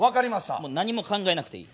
もう何も考えなくていい。